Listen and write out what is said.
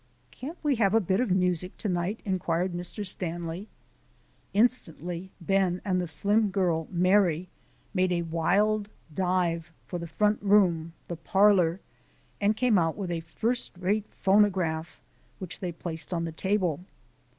"Can't we have a bit of music to night?" inquired Mr. Stanley. Instantly Ben and the slim girl, Mary, made a wild dive for the front room the parlour and came out with a first rate phonograph which they placed on the table.